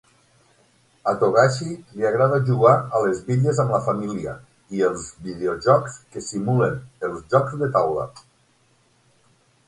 A Togashi li agrada jugar a les bitlles amb la família i els videojocs que simulen els jocs de taula.